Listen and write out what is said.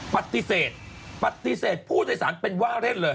ปฏิเสธปฏิเสธผู้โดยสารเป็นว่าเล่นเลย